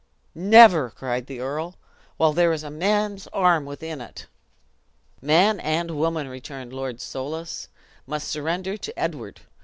"Never!" cried the earl, "while there is a man's arm within it." "Man and woman," returned Lord Soulis, "must surrender to Edward.